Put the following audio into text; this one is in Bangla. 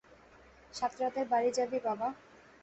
সাতরাদের বাড়ি যাবি বাবা।